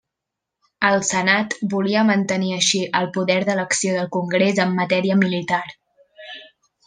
El Senat volia mantenir així el poder d'elecció del Congrés en matèria militar.